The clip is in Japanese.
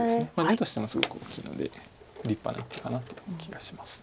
地としてもすごく大きいので立派な一手かなという気がします。